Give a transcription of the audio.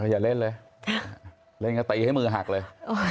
อย่าเล่นเลยเล่นก็ตีให้มือหักเลย